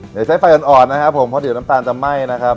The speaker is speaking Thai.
เดี๋ยวใช้ไฟอ่อนนะครับผมเพราะเดี๋ยวน้ำตาลจะไหม้นะครับ